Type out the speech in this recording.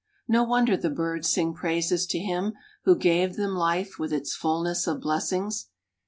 No wonder the birds sing praises to Him who gave them life with its fullness of blessings.